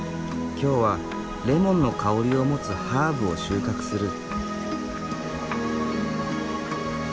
今日はレモンの香りを持つハーブを収穫する。